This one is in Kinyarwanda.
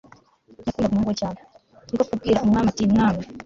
yakundaga umuhungu we cyane. ni ko kubwira umwami ati mwami